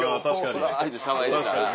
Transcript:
わぁって騒いでたら。